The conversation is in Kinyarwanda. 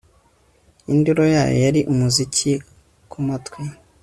Induru yayo yari umuziki kumatwi